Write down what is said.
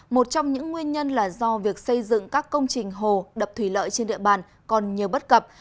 một trong những nguyên nhân là do việc xây dựng các công trình hồ đập thủy lợi trên địa bàn còn nhiều bất cập